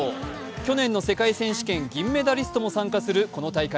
去年の世界選手権・銀メダリストも参加するこの大会。